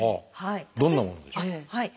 どんなものでしょう？